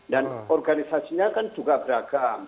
dan organisasinya kan juga beragam